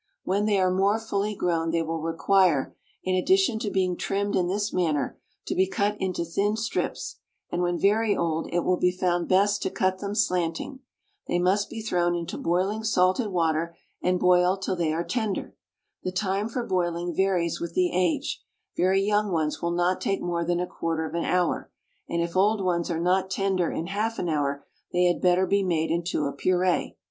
When they are more fully grown they will require, in addition to being trimmed in this manner, to be cut into thin strips, and when very old it will be found best to cut them slanting. They must be thrown into boiling salted water, and boiled till they are tender. The time for boiling varies with the age; very young ones will not take more than a quarter of an hour, and if old ones are not tender in half an hour they had better be made into a puree.